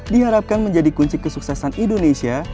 diharapkan menjadi kunci kesuksesan indonesia